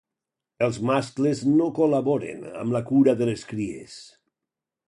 Els mascles no col·laboren amb la cura de les cries.